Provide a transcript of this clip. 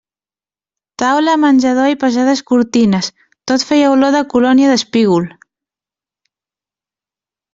Taula, menjador i pesades cortines, tot feia olor de colònia d'espígol.